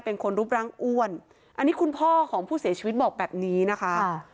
เป็นคนรูปร่างอ้วนอันนี้คุณพ่อของผู้เสียชีวิตบอกแบบนี้นะคะ